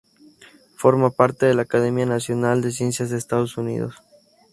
Forma parte de la Academia Nacional de Ciencias de Estados Unidos.